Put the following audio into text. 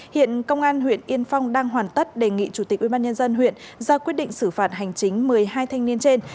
hiện công an huyện yên phong đang hoàn tất đề nghị chủ tịch ubnd huyện ra quyết định xử phạt hành chính một mươi hai thanh niên trên